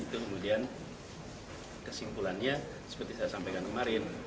dan itu kemudian kesimpulannya seperti saya sampaikan kemarin